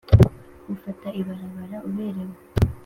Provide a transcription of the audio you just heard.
Ufata ibarabara uberewe